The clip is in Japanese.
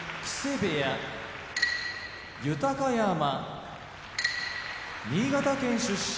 部屋豊山新潟県出身